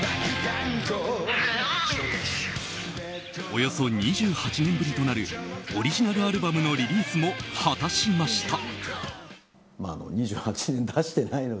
およそ２８年ぶりとなるオリジナルアルバムのリリースも果たしました。